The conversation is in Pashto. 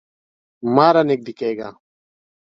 مه رانږدې کیږه